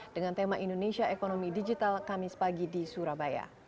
dengan tema indonesia ekonomi digital kamis pagi di surabaya